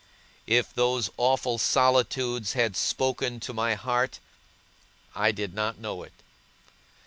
If those awful solitudes had spoken to my heart, I did not know it.